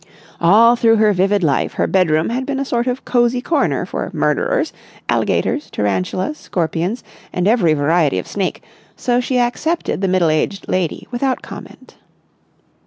All through her vivid life her bedroom had been a sort of cosy corner for murderers, alligators, tarantulas, scorpions, and every variety of snake, so she accepted the middle aged lady without comment.